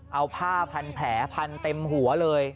เอาผ้าพันแผลพันเต็มหัวเลย